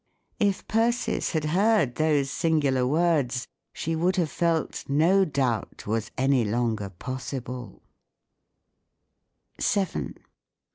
" If Persis had heard those singular words, she would have felt no doubt was any longer possible, VII.